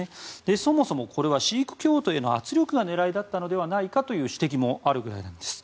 そもそも、これはシーク教徒への圧力が狙いだったのではないかという指摘もあるぐらいなんです。